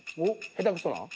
下手くそなん？